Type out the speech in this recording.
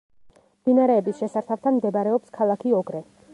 მდინარეების შესართავთან მდებარეობს ქალაქი ოგრე.